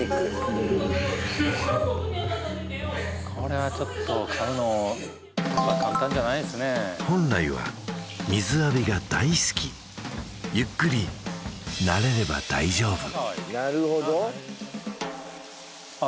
うんこれはちょっと飼うのやっぱ簡単じゃないですね本来は水浴びが大好きゆっくり慣れれば大丈夫ああかわいいなるほどああ